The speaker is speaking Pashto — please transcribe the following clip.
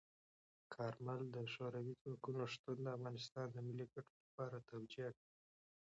کارمل د شوروي ځواکونو شتون د افغانستان د ملي ګټو لپاره توجیه کړ.